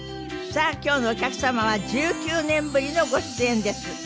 さあ今日のお客様は１９年ぶりのご出演です。